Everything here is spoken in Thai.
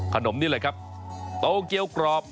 ขนมนี่เลยครับโตเกียวกรอบ